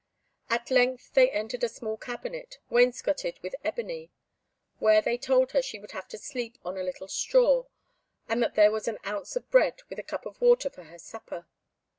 At length they entered a small cabinet, wainscoted with ebony, where they told her she would have to sleep on a little straw, and that there was an ounce of bread with a cup of water for her supper.